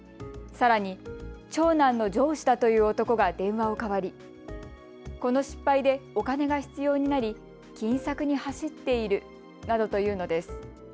さらに、長男の上司だという男が電話をかわり、この失敗でお金が必要になり金策に走っているいうのです。